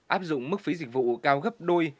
áp dụng mức phí dịch vụ cao gấp đôi